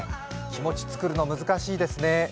気持ち作るの難しいですね。